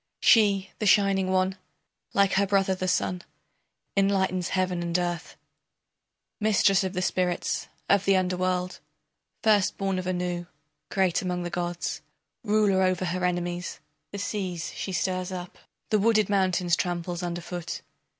She, the shining one, like her brother, the sun, Enlightens Heaven and earth, Mistress of the spirits of the underworld, First born of Anu, great among the gods, Ruler over her enemies, The seas she stirs up, The wooded mountains tramples under foot.